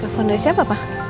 fondasi apa pak